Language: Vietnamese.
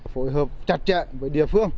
phối hợp chặt chẽ với địa phương